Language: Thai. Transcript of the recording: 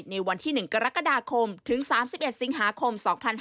ในวันที่๑กรกฎาคมถึง๓๑สิงหาคม๒๕๕๙